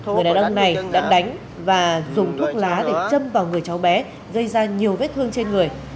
người đàn ông này đã đánh và dùng thuốc lá để châm vào người cháu bé gây ra nhiều vết thương trên người